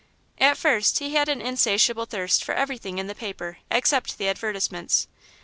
At first, he had had an insatiable thirst for everything in the paper, except the advertisements.